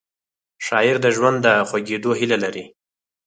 شاعر د ژوند د خوږېدو هیله لري